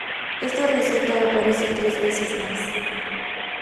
Esta receta aparece tres veces más.